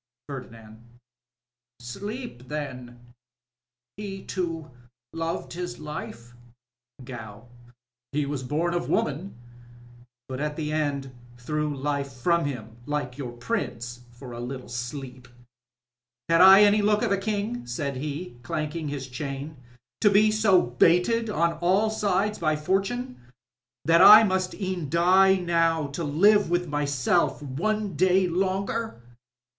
Pbrdinand.— Sleep, then .. He too, loved his life? Gow. — He Was bom of woman ... but at the end threw Hfe from him, like your Prince, for a little sleep ... "Have I any look of a King ?" said he, clanking his chain —to be so baited on all sides by Fortune, that I must e'en die now to live with myself one day longer?"